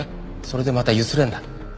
それでまたゆすれんだろ。